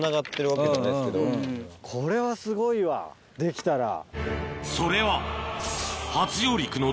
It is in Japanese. これはすごいわできたら。